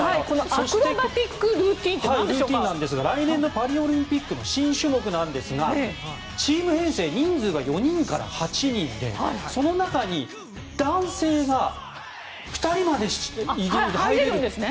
アクロバティックルーティンなんですが来年のパリオリンピックの新種目なんですがチーム編成人数が４人から８人でその中に男性が２人まで入れるんです。